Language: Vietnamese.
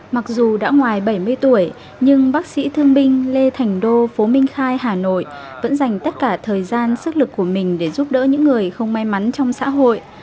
mặc dù đã ngoài bảy mươi tuổi nhưng bác sĩ thương binh lê thành đô phố minh khai hà nội vẫn dành tất cả thời gian sức lực của mình để giúp đỡ những người không may mắn trong xã hội